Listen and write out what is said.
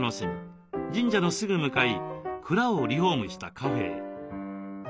神社のすぐ向かい蔵をリフォームしたカフェへ。